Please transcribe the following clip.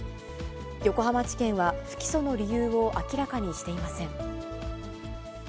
横浜地検は不起訴の理由を明らかにしていません。